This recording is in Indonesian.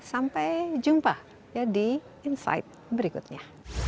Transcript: sampai jumpa di insight berikutnya